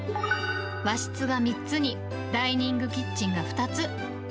和室が３つにダイニングキッチンが２つ。